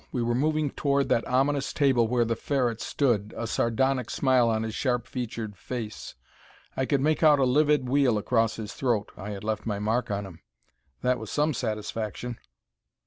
We were moving toward that ominous table where the Ferret stood, a sardonic smile on his sharp featured face. I could make out a livid weal across his throat. I had left my mark on him. That was some satisfaction.